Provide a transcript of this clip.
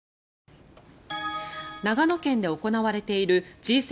長野県で行われているＧ７